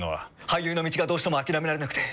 俳優の道がどうしても諦められなくて。